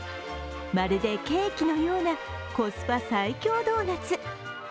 まるでケーキのようなコスパ最強ドーナツ。